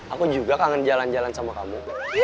aku juga kangen jalan jalan sama kamu